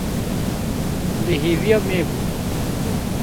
Li hêviya me bû.